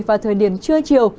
vào thời điểm trưa chiều